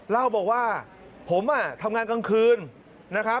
เล่าบอกว่าผมทำงานกลางคืนนะครับ